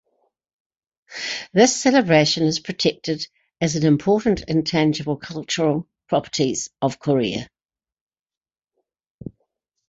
This celebration is protected as an Important Intangible Cultural Properties of Korea.